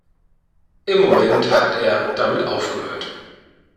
Im Moment hat er damit aufgehört!